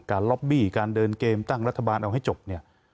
ล็อบบี้การเดินเกมตั้งรัฐบาลเอาให้จบเนี่ย